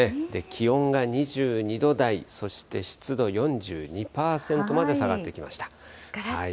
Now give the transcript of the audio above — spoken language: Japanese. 気温が２２度台、そして湿度４２％まで下がってきました。